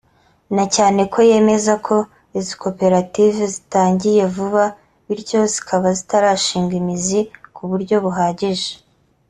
na cyane ko yemeza ko izi koperative zitangiye vuba bityo zikaba zitarashinga imizi ku buryo buhagije